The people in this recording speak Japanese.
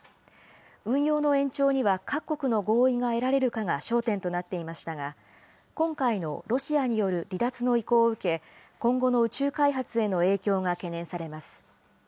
運用の延長には各国の合意が得られるかが焦点となっていましたが、今回のロシアによる離脱の意向を受け、今後の宇宙開発への影響が懸念されます。